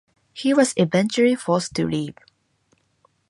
He was eventually forced to leave.